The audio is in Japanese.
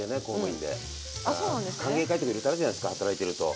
歓迎会とかいろいろとあるじゃないですか働いてると。